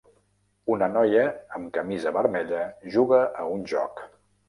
una noia amb camisa vermella juga a un joc